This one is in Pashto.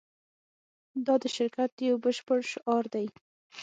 دا د شرکت یو بشپړ شعار دی